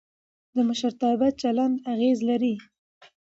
د مشرتابه چلند اغېز لري